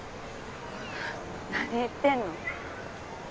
何言ってんの？